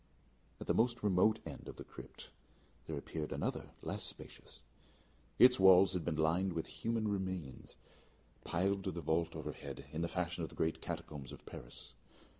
At the most remote end of the crypt there appeared another less spacious. Its walls had been lined with human remains, piled to the vault overhead, in the fashion of the great catacombs of Paris.